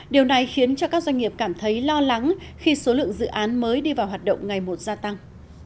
điều này khiến cho các doanh nghiệp cảm thấy lo lắng khi số lượng dự án mới đi vào hoạt động ngày một gia tăng